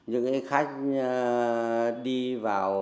những cái khách đi vào